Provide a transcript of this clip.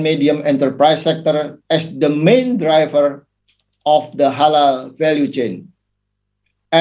kedua memperkuat sektor pengembangan yang dianggap sebagai pengguna utama dari jaringan nilai halal